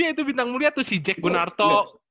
iya itu bintang mulia tuh sih jack gunarto